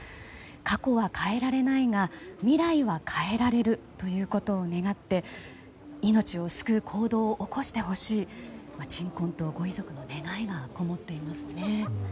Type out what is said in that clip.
過去は変えられないが未来は変えられるということを願って命を救う行動を起こしてほしい鎮魂とご遺族の願いがこもっていますね。